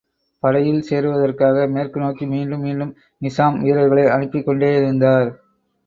படையில் சேருவதற்காக மேற்கு நோக்கி மீண்டும் மீண்டும் நிசாம் வீரர்களை அனுப்பிக் கொண்டேயிருந்தார்.